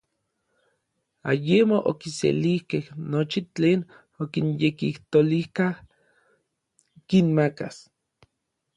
Ayemo okiselijkej nochi tlen okinyekijtolijka kinmakas.